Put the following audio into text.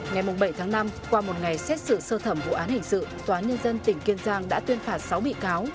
ngày bảy tháng năm qua một ngày xét xử sơ thẩm vụ án hình sự tòa nhân dân tỉnh kiên giang đã tuyên phạt sáu bị cáo